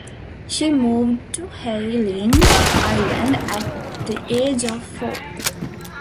She moved to Hayling Island at the age of four.